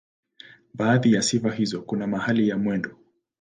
Baadhi ya sifa hizo kuna mahali na mwendo.